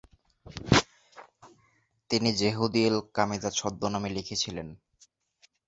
তিনি জেহুদিয়েল কামিদা ছদ্মনামে লিখেছিলেন।